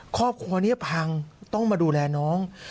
ครอบครัวนี้พังต้องมาดูแลน้อง